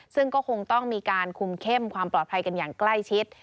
ซึ่งก็คงต้องมีการคุมเข้มความปลอดภัยกันอย่างใกล้ชิด